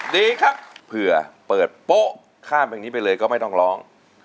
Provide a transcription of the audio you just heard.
ดีครับเผื่อเปิดโป๊ะข้ามเพลงนี้ไปเลยก็ไม่ต้องร้อง